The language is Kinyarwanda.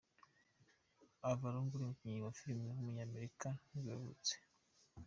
Eva Longoria, umukinnyikazi wa filime w’umunyamerika nibwo yavutse.